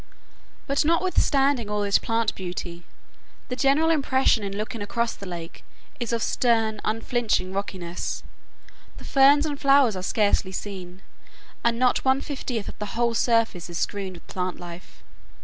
But, notwithstanding all this plant beauty, the general impression in looking across the lake is of stern, unflinching rockiness; the ferns and flowers are scarcely seen, and not one fiftieth of the whole surface is screened with plant life.